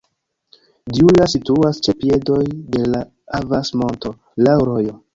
Djula situas ĉe piedoj de la Avas-monto, laŭ rojo.